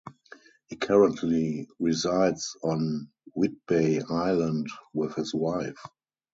He currently resides on Whidbey Island with his wife.